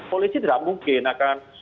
polisi tidak mungkin akan